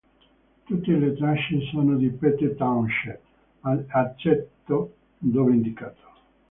Tutte le tracce sono di Pete Townshend eccetto dove indicato.